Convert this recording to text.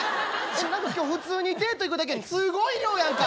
何か今日普通にデート行くだけすごい量やんか！